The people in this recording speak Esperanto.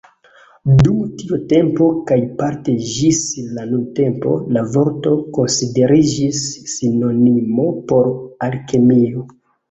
Dum tiu tempo kaj parte ĝis la nuntempo, la vorto konsideriĝis sinonimo por Alkemio.